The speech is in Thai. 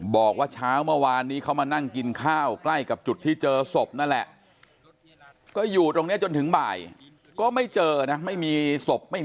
บอกว่าเช้าเมื่อวานนี้เขามานั่งกินข้าวใกล้กับจุดที่เจอศพนั่นแหละ